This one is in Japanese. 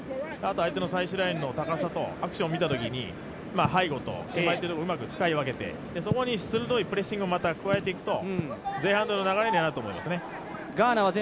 相手の最終ラインの高さとアクションを見たときに背後と相手の方をうまく使い分けてそこに鋭いプレッシングを加えていくと前半のような流れになると思いますね。